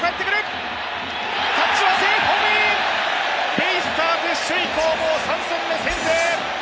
ベイスターズ、首位攻防３戦目、先制。